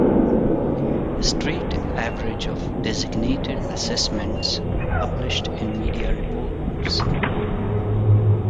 A straight average of designated assessments published in media reports.